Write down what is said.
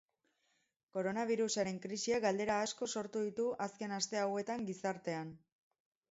Koronabirusaren krisiak galdera asko sortu ditu, azken aste hauetan, gizartean.